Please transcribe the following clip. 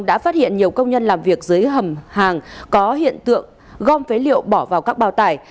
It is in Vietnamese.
đã phát hiện nhiều công nhân làm việc dưới hầm hàng có hiện tượng gom phế liệu bỏ vào các bao tải